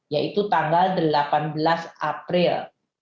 yaitu tanggal delapan belas april dua ribu dua puluh dua